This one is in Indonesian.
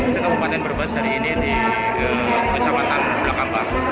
saya kebupatan berbas hari ini di kecamatan belakang bang